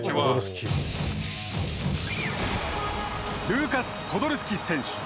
ルーカス・ポドルスキ選手。